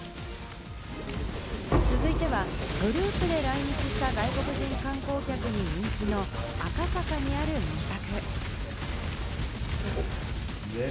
続いてはグループで来日した外国人観光客に人気の赤坂にある民泊。